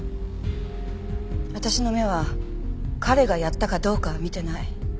私の目は彼がやったかどうかは見てない。